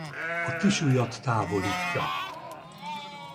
A kisujjat távolítja.